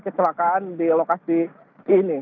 kecelakaan di lokasi ini